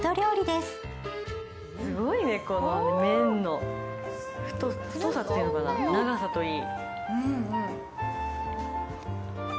すごいね、この麺の太さというのか、長さといい。